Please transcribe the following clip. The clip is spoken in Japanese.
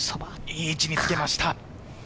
いい位置につけました。